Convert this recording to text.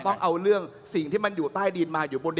ต้องเอาเรื่องสิ่งที่มันอยู่ใต้ดินมาอยู่บนดิน